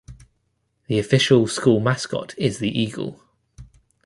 The official school mascot is the Eagle.